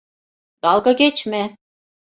Dalga geçme.